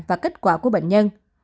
và kết quả của bệnh nhân